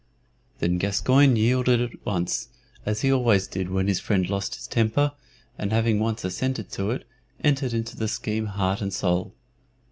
Then Gascoyne yielded at once, as he always did when his friend lost his temper, and having once assented to it, entered into the scheme heart and soul.